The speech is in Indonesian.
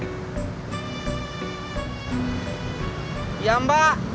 udah jalan ya mbak